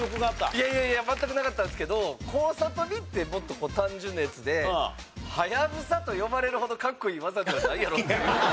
いやいやいや全くなかったんですけど交差跳びってもっと単純なやつではやぶさと呼ばれるほどかっこいい技ではないやろという。